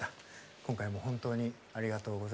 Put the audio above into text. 今回も本当にありがとうございました。